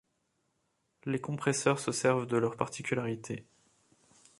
Les compresseurs se servent de leurs particularités.